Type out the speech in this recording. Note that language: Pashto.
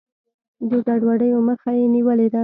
د ګډوډیو مخه یې نیولې ده.